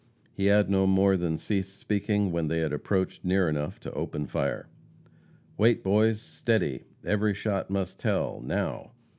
He had no more than ceased speaking when they had approached near enough to open fire. "Wait, boys! Steady! Every shot must tell! Now!"